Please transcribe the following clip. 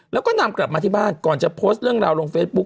แล้วก็นำกลับมาที่บ้านก่อนจะโพสต์เรื่องราวลงเฟซบุ๊